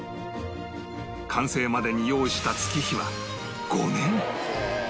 完成までに要した月日は５年